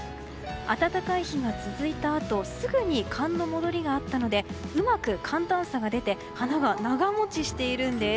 暖かい日が続いたあとすぐに寒の戻りがあったのでうまく寒暖差が出て花が長持ちしているんです。